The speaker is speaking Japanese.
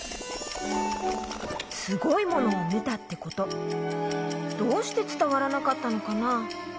すごいものをみたってことどうしてつたわらなかったのかな？